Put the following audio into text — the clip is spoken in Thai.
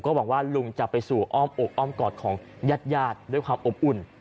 หวังว่าลุงจะไปสู่อ้อมอกอ้อมกอดของญาติด้วยความอบอุ่น